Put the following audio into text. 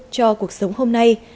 cho cuộc sống hôm nay